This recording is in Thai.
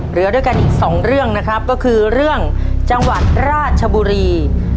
เหลือด้วยกันอีกสองเรื่องนะครับก็คือเรื่องจังหวัดราชบุรี